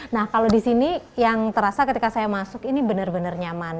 nah kalau di sini yang terasa ketika saya masuk ini benar benar nyaman